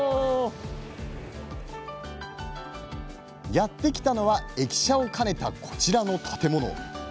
やってきたのは駅舎を兼ねたこちらの建物。